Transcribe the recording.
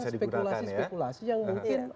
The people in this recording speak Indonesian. spekulasi spekulasi yang mungkin